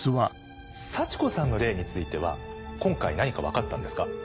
幸子さんの霊については今回何か分かったんですか？